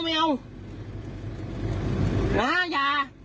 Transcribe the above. นาดา